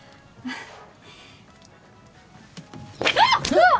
うわっ！